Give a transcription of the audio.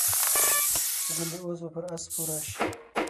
ګوندي اوس به پر آس سپور راشي.